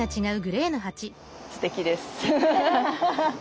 すてきです。